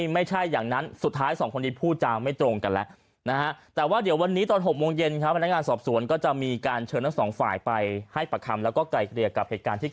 ไม่จริงแหละครับ